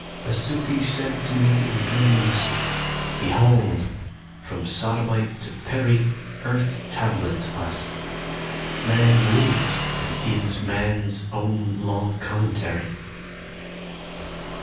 SELF A Sufi said to me in dreams: Behold! from Sodomite to Peri Earth tablets us: man lives and is Man's own long commentary.